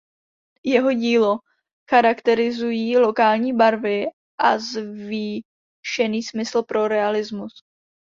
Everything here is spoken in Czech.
Jeho dílo charakterizují lokální barvy a zvýšený smysl pro realismus.